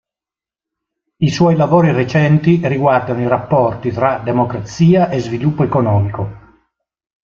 I suoi lavori recenti riguardano i rapporti tra democrazia e sviluppo economico.